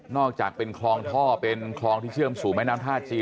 อกจากเป็นคลองท่อเป็นคลองที่เชื่อมสู่แม่น้ำท่าจีน